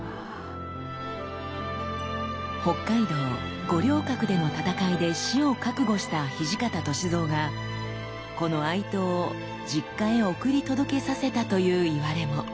北海道五稜郭での戦いで死を覚悟した土方歳三がこの愛刀を実家へ送り届けさせたといういわれも。